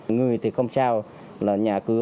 người thì không cháu nhà cứ